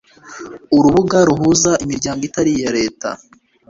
urubuga ruhuza imiryango itari iya leta